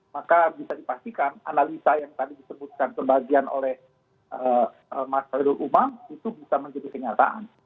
maka bisa dipastikan analisa yang tadi disebutkan kebagian oleh masyarakat umat itu bisa menjadi kenyataan